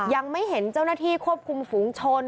ยังไม่เห็นเจ้าหน้าที่ควบคุมฝูงชน